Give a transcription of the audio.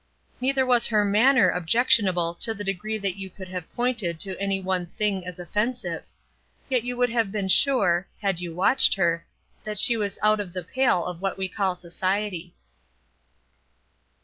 Neither was her manner objectionable to the degree that you could have pointed to any one thing as offensive; yet you would have been sure, had you watched her, that she was without the pale of what we call society.